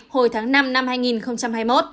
hồi tháng năm năm hai nghìn hai mươi một